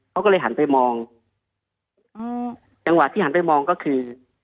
เขาก็เลยหันไปมองอืมจังหวะที่หันไปมองก็คือ